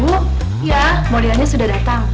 bu ya mulianya sudah datang